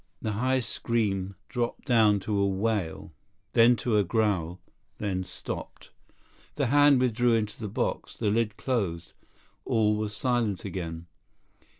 The high scream dropped down to a wail, then to a growl, then stopped. The hand withdrew into the box. The lid closed. All was silent again.